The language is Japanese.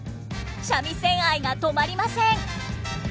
三味線愛が止まりません。